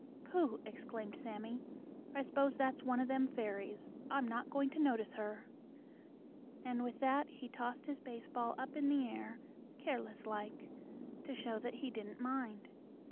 "Pooh!" exclaimed Sammie. "I s'pose that's one of them fairies. I'm not going to notice her," and with that he tossed his baseball up in the air, careless like, to show that he didn't mind.